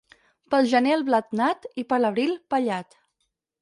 Pel gener el blat nat, i per l'abril, pallat.